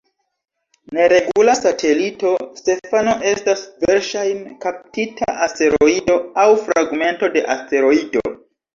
Neregula satelito, Stefano estas verŝajne kaptita asteroido aŭ fragmento de asteroido.